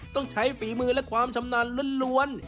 ต้องใช้ฝีมือและความชำนาญล้วน